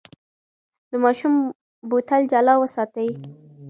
د ماشوم بوتل جلا وساتئ.